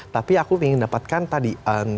tapi aku ingin dapatkan tadi